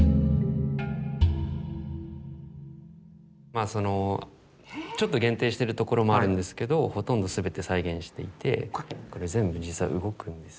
まあそのちょっと限定してるところもあるんですけどほとんど全て再現していてこれ全部実は動くんです。